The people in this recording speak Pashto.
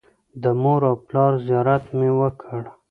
د مور او پلار زیارت مې وکړ.